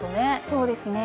そうですね